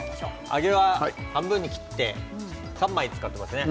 揚げは半分に切って３枚使っていますね。